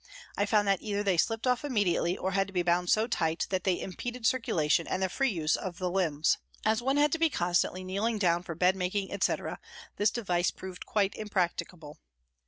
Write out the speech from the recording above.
I found that either they slipped off immediately or had to be bound so tight that they impeded circulation and the free use of the limbs. As one had to be constantly kneeling down for bed making, etc., this device proved quite impracticable.